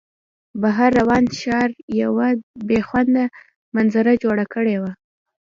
بهر وران ښار یوه بې خونده منظره جوړه کړې وه